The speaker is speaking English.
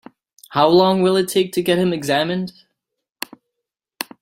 How long will it take to get him examined?